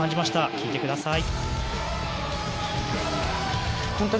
聞いてください。